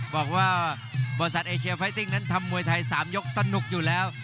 บอกว่าบริษัทเอเชียไฟติ้งนั้นทำมวยไทย๓ยกสนุกอยู่แล้ว